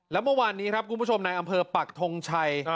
แล้วเมื่อวานนี้ครับคุณผู้ชมในอำเภอปักทงชัย